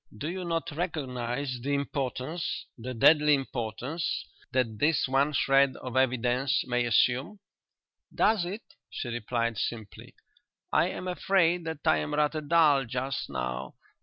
"Do you not recognize the importance the deadly importance that this one shred of evidence may assume?" "Does it?" she replied simply. "I am afraid that I am rather dull just now.